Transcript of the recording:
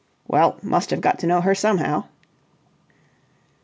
"Well, must have got to know her somehow."